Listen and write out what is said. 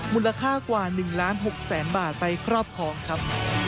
มูลค่ากว่า๑ล้าน๖แสนบาทไปครอบครองครับ